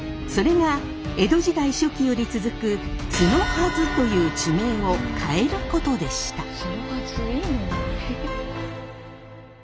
それが江戸時代初期より続く「角筈」という地名を変えることでした。